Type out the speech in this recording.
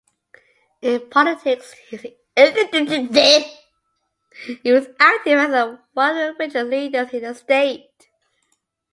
In politics, he was active as one of the Federalist leaders in the state.